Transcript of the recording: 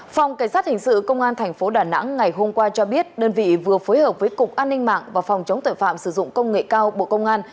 phòng cảnh sát hình sự công an tp đà nẵng ngày hôm qua cho biết đơn vị vừa phối hợp với cục an ninh mạng và phòng chống tội phạm sử dụng công nghệ cao bộ công an